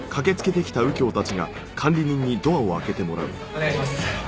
お願いします。